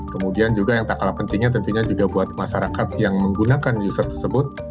kemudian juga yang tak kalah pentingnya tentunya juga buat masyarakat yang menggunakan user tersebut